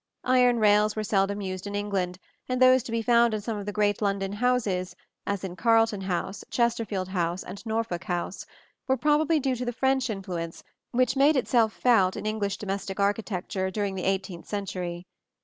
Iron rails were seldom used in England, and those to be found in some of the great London houses (as in Carlton House, Chesterfield House and Norfolk House) were probably due to the French influence which made itself felt in English domestic architecture during the eighteenth century.